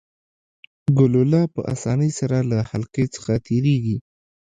ګلوله په اسانۍ سره له حلقې څخه تیریږي.